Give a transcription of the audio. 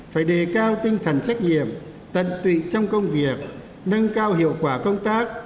phải đề cao tinh thần trách nhiệm tận tụy trong công việc nâng cao hiệu quả công tác